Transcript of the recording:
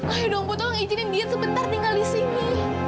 ayo dong bu tolong izinin dia sebentar tinggal di sini